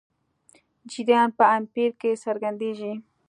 جریان په امپیر کې څرګندېږي.